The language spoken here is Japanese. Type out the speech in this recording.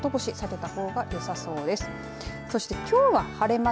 洗濯物の外干し避けたほうがよさそうです。